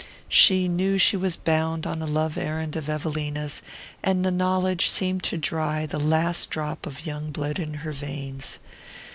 She knew she was bound on a love errand of Evelina's, and the knowledge seemed to dry the last drop of young blood in her veins.